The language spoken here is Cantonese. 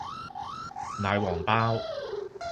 奶皇包